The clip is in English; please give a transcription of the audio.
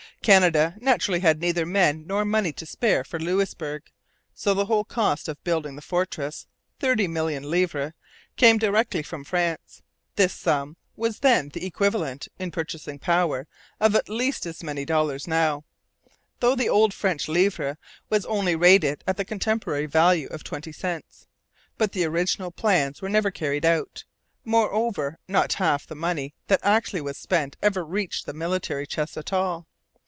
Canada naturally had neither men nor money to spare for Louisbourg; so the whole cost of building the fortress, thirty million livres, came direct from France. This sum was then the equivalent, in purchasing power, of at least as many dollars now, though the old French livre was only rated at the contemporary value of twenty cents. But the original plans were never carried out; moreover, not half the money that actually was spent ever reached the military chest at all.